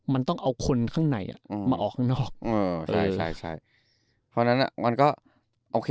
มันต้องเอาคนข้างในมาออกข้างนอก